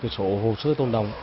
số hồ sơ tôn đồng